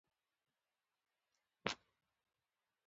دوی حاجي مریم اکا ته بوتلل.